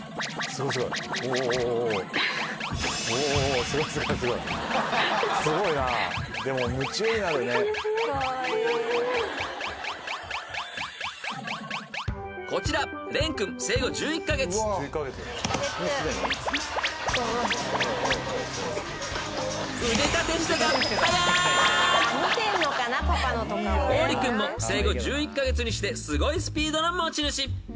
［桜人君も生後１１カ月にしてすごいスピードの持ち主］